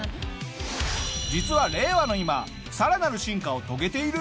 実は令和の今さらなる進化を遂げている！？